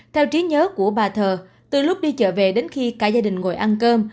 theo trí nhớ của bà thơ từ lúc đi chợ về đến khi cả gia đình ngồi ăn cơm